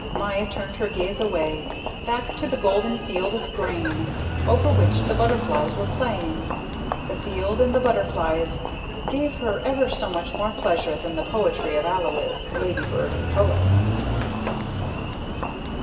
Maya turned her gaze away, back to the golden field of grain over which the butterflies were playing. The field and the butterflies gave her ever so much more pleasure than the poetry of Alois, ladybird and poet.